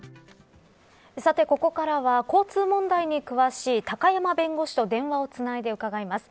さて、ここからは交通問題に詳しい高山弁護士と電話をつないで伺います。